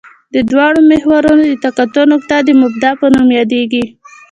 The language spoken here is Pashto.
د دواړو محورونو د تقاطع نقطه د مبدا په نوم یادیږي